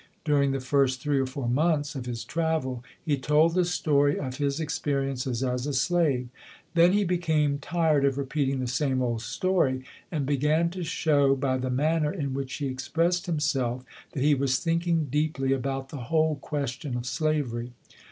During the first three or four months of his travel he told the story of his experiences as a slave. Then he became tired of repeating the same old story and began to show by the manner in which he expressed himself that he was thinking deeply about the whole question of slavery.